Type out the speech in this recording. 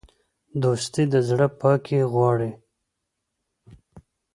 دوستي د زړه پاکي غواړي.